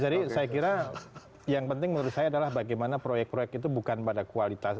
jadi saya kira yang penting menurut saya adalah bagaimana proyek proyek itu bukan pada kualitas